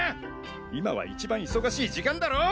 今は一番忙しい時間だろ！